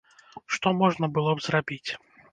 Што можна было б зрабіць?